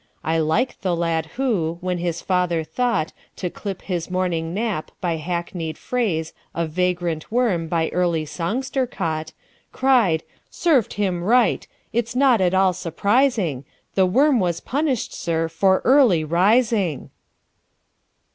I like the lad who, when his father thoughtTo clip his morning nap by hackneyed phraseOf vagrant worm by early songster caught, Cried, "Served him right!—it 's not at all surprising; The worm was punished, sir, for early rising!"